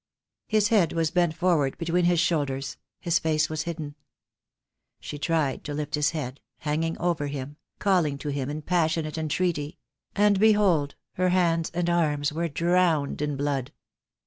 His head was bent forward between his shoulders, his face was hidden. She tried to lift his head, hanging over him, calling to him in passionate entreaty; and, behold, her hands and arms were drowned in blood.